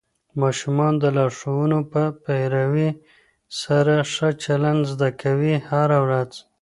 ماشومان د لارښوونو په پیروي سره ښه چلند زده کوي هره ورځ.